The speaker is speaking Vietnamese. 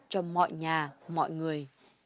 cho mọi nhà mọi người